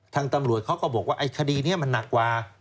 ทางตำรวจเขาก็บอกว่าไอ้คดีนี้มันหนักกว่า